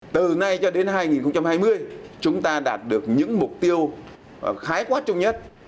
từ nay cho đến hai nghìn hai mươi chúng ta đạt được những mục tiêu khái quát chung nhất